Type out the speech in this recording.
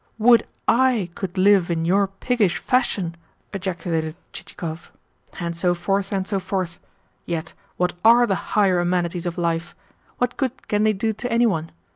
'" "Would I could live in your 'piggish' fashion!" ejaculated Chichikov. "And so forth, and so forth. Yet what are the 'higher amenities of life'? What good can they do to any one?